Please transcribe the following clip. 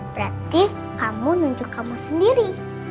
berarti kamu nunjuk kamu sendiri